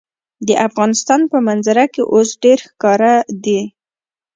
د افغانستان په منظره کې اوښ ډېر ښکاره دی.